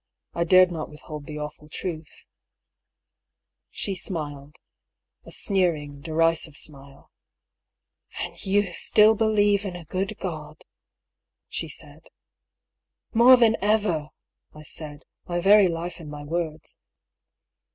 I dared not withhold the awful truth. 152 I>R. PAULL'S THEORY. She smiled — a sneering, derisive smile. " And you still believe in a good God ?" she said. " More than ever !" I said, my very life in my words.